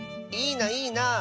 いいないいな。